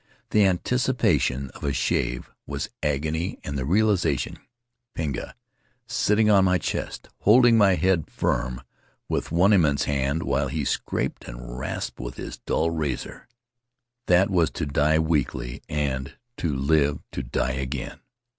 The anticipation of a shave was agony, and the realization — Pinga sitting on my chest, holding my head firm with one immense hand while he scraped and rasped with his dull razor — that was to die weekly and to live to die again.